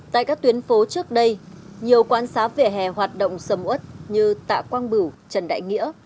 tại các tuyến phố trước đây nhiều quán xá vỉa hè hoạt động sầm út như tạ quang bửu trần đại nghĩa